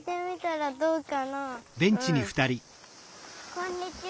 こんにちは。